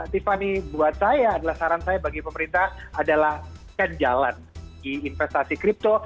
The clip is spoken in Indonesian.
tiffany buat saya adalah saran saya bagi pemerintah adalah kan jalan di investasi kripto